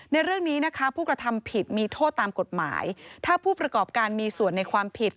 ในเรื่องนี้นะคะผู้กระทำผิดมีโทษตามกฎหมายถ้าผู้ประกอบการมีส่วนในความผิด